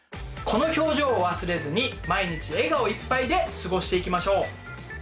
この表情を忘れずに毎日笑顔いっぱいで過ごしていきましょう！